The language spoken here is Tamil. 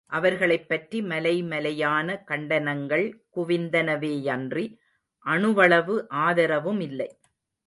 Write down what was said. அவர்களைப் பற்றி மலைமலையான கண்டனங்கள் குவிந்தனவேயன்றி, அணுவளவு ஆதரவுமில்லை.